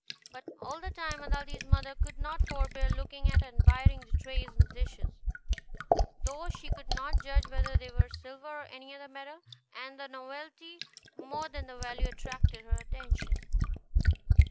But all the time Aladdin's mother could not forbear looking at and admiring the tray and dishes, though she could not judge whether they were silver or any other metal, and the novelty more than the value attracted her attention.